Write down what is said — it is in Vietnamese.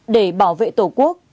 để bảo vệ tổ quốc